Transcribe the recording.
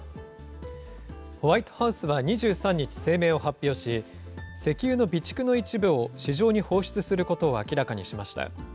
ホワイトハウスは２３日、声明を発表し、石油の備蓄の一部を市場に放出することを明らかにしました。